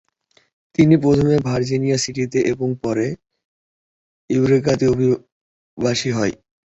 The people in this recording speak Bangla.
তিনি প্রথমে ভার্জিনিয়া সিটিতে এবং পরে ইউরেকাতে অভিবাসী হন।